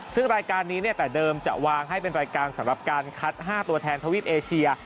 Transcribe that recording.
ซึ่งรายการนี้เนี่ยแต่เดิมจะวางให้เป็นรายการสำหรับการคัด๕ตัวแทนทวีปเอเชีย